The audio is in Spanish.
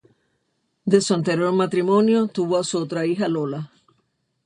De su anterior matrimonio tuvo a su otra hija Lola.